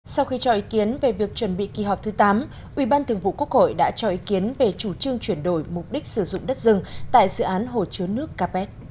sau khi cho ý kiến về việc chuẩn bị kỳ họp thứ tám ủy ban thường vụ quốc hội đã cho ý kiến về chủ trương chuyển đổi mục đích sử dụng đất rừng tại dự án hồ chứa nước capet